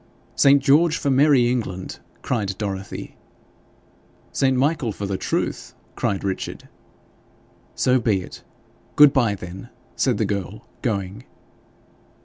'St. George for merry England!' cried Dorothy. 'St. Michael for the Truth!' cried Richard. 'So be it. Good bye, then,' said the girl, going.